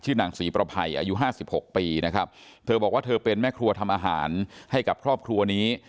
นางศรีประภัยอายุห้าสิบหกปีนะครับเธอบอกว่าเธอเป็นแม่ครัวทำอาหารให้กับครอบครัวนี้